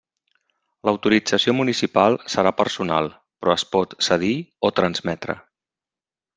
L'autorització municipal serà personal, però es pot cedir o transmetre.